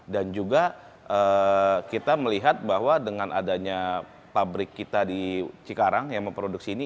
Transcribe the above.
dan juga kita melihat bahwa dengan adanya pabrik kita di cikarang yang memproduksi ini